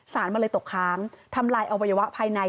สารมันเลยตกค้างทำลายอวัยวะภายใน